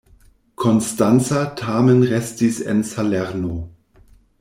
Konstanca tamen restis en Salerno.